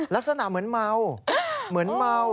ลักษณะเหมือนเมา